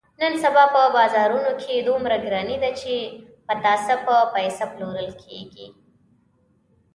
نن سبا په بازارونو کې دومره ګراني ده، چې پتاسه په پیسه پلورل کېږي.